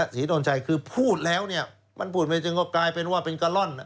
ศรีดนชัยคือพูดแล้วเนี่ยมันพูดไม่จริงก็กลายเป็นว่าเป็นกะล่อน